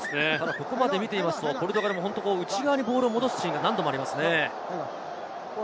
ここまで見ているとポルトガルも内側に戻すシーンが何度もありますね。